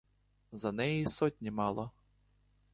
За неї й сотні мало!